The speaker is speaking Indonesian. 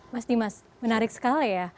mas dimas menarik sekali ya